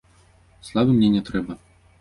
Славы мне не трэба.